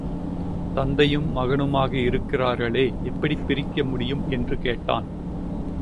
தந்தையும் மகனுமாக இருக்கிறார்களே எப்படிப் பிரிக்க முடியும் என்று கேட்டான்.